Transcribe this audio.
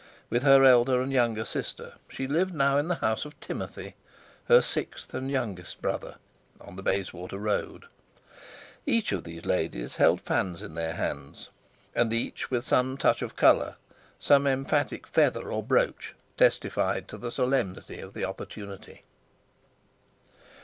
With her elder and younger sister she lived now in the house of Timothy, her sixth and youngest brother, on the Bayswater Road. Each of these ladies held fans in their hands, and each with some touch of colour, some emphatic feather or brooch, testified to the solemnity of the opportunity.